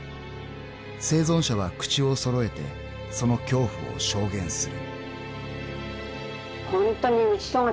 ［生存者は口を揃えてその恐怖を証言する］